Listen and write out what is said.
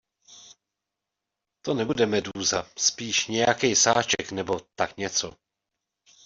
To nebude medúza, spíš nějakej sáček, nebo tak něco.